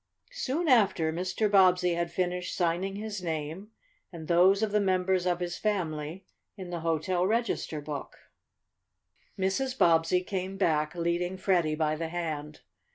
Soon after Mr. Bobbsey had finished signing his name and those of the members of his family in the hotel register book, Mrs. Bobbsey came back, leading Freddie by the hand.